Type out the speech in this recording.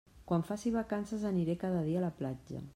Quan faci vacances aniré cada dia a la platja.